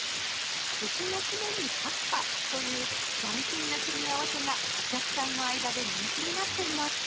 「寿司の締めにパスタ」という斬新な組み合わせがお客さんの間で人気になっています